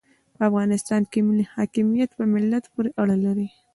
په افغانستان کې ملي حاکمیت په ملت پوري اړه لري.